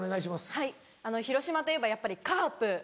はい広島といえばやっぱりカープ。